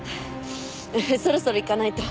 そろそろ行かないと。